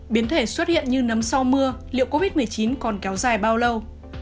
biến thể xuất hiện như nấm sau mưa liệu covid một mươi chín còn kéo dài bao lâu